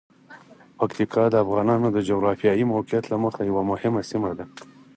پکتیکا د افغانانو د جغرافیايی موقعیت له مخې یوه مهمه سیمه ده.